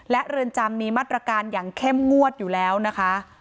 และเรือนจำมีมาตรการอย่างเข้มงวดอยู่แล้วนะคะ